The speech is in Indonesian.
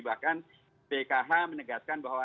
bahkan bkh menegaskan bahwa